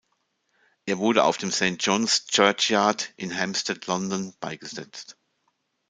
Er wurde auf dem Saint John’s Churchyard in Hampstead, London, beigesetzt.